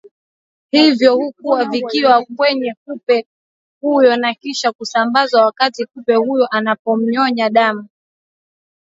hivyo hukua vikiwa kwenye kupe huyo na kisha kusambazwa wakati kupe huyo anapomnyonnya damu